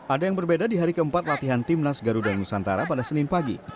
ada yang berbeda di hari keempat latihan timnas garuda nusantara pada senin pagi